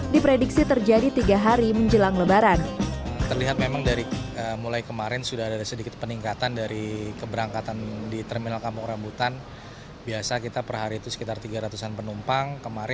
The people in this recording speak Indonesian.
diprediksi terjadi tiga hari menjelang lebaran